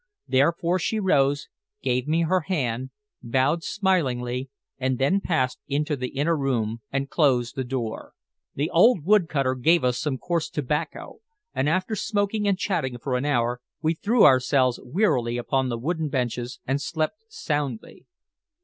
Therefore she rose, gave me her hand, bowed smilingly, and then passed into the inner room and closed the door. The old wood cutter gave us some coarse tobacco, and after smoking and chatting for an hour we threw ourselves wearily upon the wooden benches and slept soundly.